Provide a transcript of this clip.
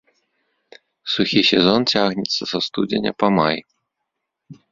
Сухі сезон цягнецца са студзеня па май.